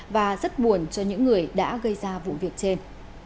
và rất buồn cho những người đã gây ra vụ việc trên